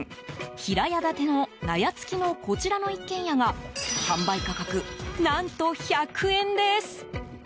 平屋建ての納屋付きのこちらの一軒家が販売価格、何と１００円です。